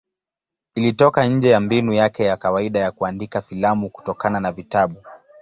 Ilitoka nje ya mbinu yake ya kawaida ya kuandika filamu kutokana na vitabu.